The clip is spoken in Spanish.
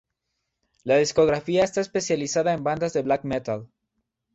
La discográfica está especializada en bandas de black metal.